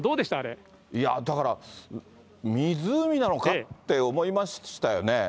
いや、だから、湖なのかって思いましたよね。